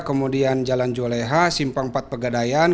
kemudian jalan juleha simpang empat pegadayan